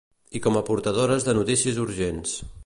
I com a portadores de notícies urgents.